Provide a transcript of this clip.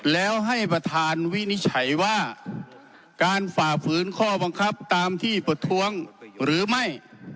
แล้วให้ประธานวินิจฉัยว่าการฝ่าฝืนข้อบังคับตามที่ประท้วงหรือไม่